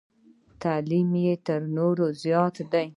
تعلیم یې تر نورو زیات دی.